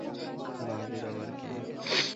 বাহাদুর আবার কে?